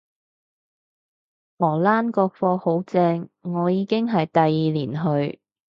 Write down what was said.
荷蘭個課好正，我已經係第二年去